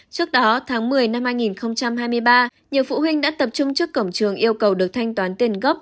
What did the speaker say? trước đó tháng một mươi năm hai nghìn hai mươi ba nhiều phụ huynh đã tập trung trước cổng trường yêu cầu được thanh toán tiền gốc